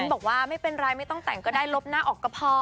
บอกว่าไม่เป็นไรไม่ต้องแต่งก็ได้ลบหน้าออกก็พอ